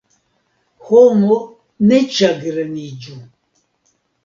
Homo, ne ĉagreniĝu!